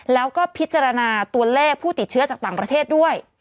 แล้วก็พิจารณาตัวเลขผู้ติดเชื้อจากต่างประเทศด้วย